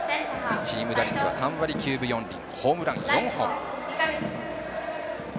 チーム打率は３割９分４厘ホームラン４本。